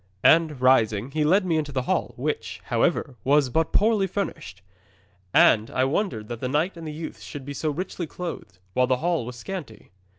And, rising, he led me into the hall, which, however, was but poorly furnished. And I wondered that the knight and the youths should be so richly clothed, while the hall was scanty.